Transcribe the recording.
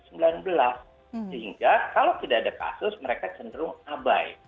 sehingga kalau tidak ada kasus mereka cenderung abai